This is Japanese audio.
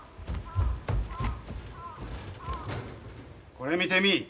これ見てみい。